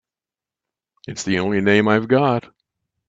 It's the only name I've got.